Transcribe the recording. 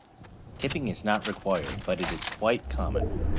Tipping is not required, but is quite common.